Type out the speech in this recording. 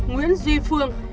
nguyễn duy phương